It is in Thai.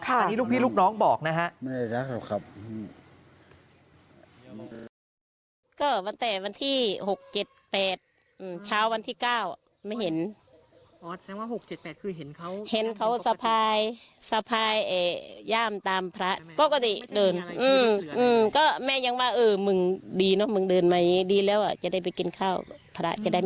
อันนี้ลูกพี่ลูกน้องบอกนะฮะ